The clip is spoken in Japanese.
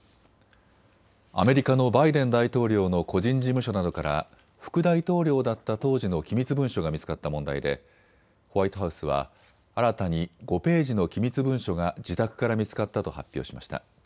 アメリカのバイデン大統領の個人事務所などから副大統領だった当時の機密文書が見つかった問題でホワイトハウスは新たに５ページの機密文書が自宅から見つかったと発表しました。